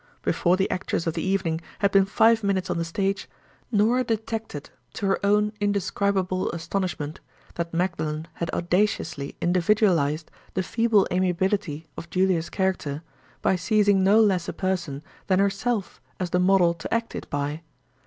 Before the actress of the evening had been five minutes on the stage, Norah detected, to her own indescribable astonishment, that Magdalen had audaciously individualized the feeble amiability of "Julia's" character, by seizing no less a person than herself as the model to act it by.